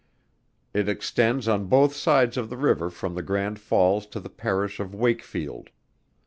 It extends on both sides of the river from the Grand Falls to the Parish of Wakefield.